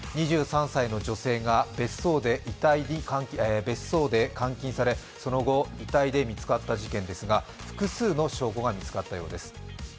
２３歳の女性が別荘で監禁されその後、遺体で見つかった事件ですが、複数の証拠が見つかったようです。